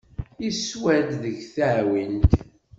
Yeswa-d seg teɛwint.